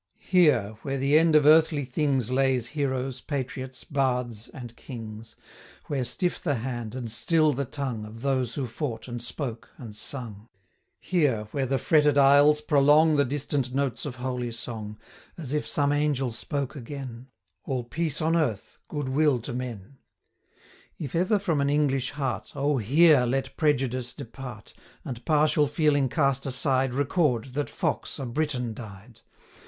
HERE, where the end of earthly things Lays heroes, patriots, bards, and kings; Where stiff the hand, and still the tongue, Of those who fought, and spoke, and sung; 145 HERE, where the fretted aisles prolong The distant notes of holy song, As if some angel spoke agen, 'All peace on earth, good will to men;' If ever from an English heart, 150 O, HERE let prejudice depart, And, partial feeling cast aside, Record, that Fox a Briton died!